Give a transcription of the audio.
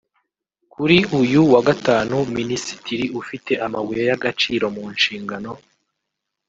Kuri uyu wa Gatanu minisitiri ufite amabuye y’agaciro mu nshingano